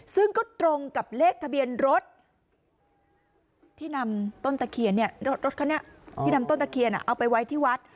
ซึ่งก็ตรงกับเลขทะเบียนรถที่นำต้นตะเคียนรถคันนี้ที่นำต้นตะเคียนเอาไปไว้ที่วัด